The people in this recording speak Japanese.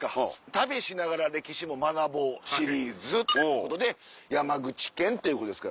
旅しながら歴史も学ぼうシリーズということで山口県ということですから。